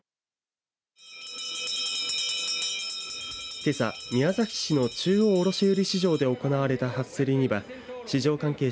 けさ、宮崎市の中央卸売市場で行われた初競りには市場関係者